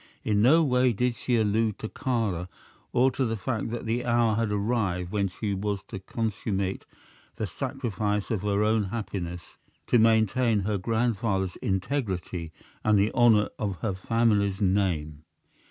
In no way did she allude to Kāra or to the fact that the hour had arrived when she was to consummate the sacrifice of her own happiness to maintain her grandfather's integrity and the honor of her family's name.